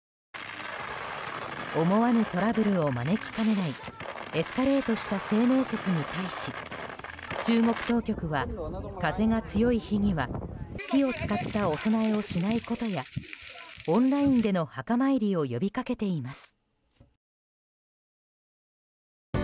思わぬトラブルを招きかねないエスカレートした清明節に対し中国当局は、風が強い日には火を使ったお供えをしないことやオンラインでの墓参りを呼びかけています。